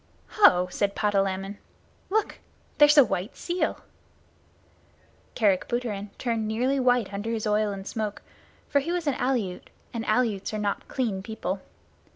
"Ho!" said Patalamon. "Look! There's a white seal!" Kerick Booterin turned nearly white under his oil and smoke, for he was an Aleut, and Aleuts are not clean people.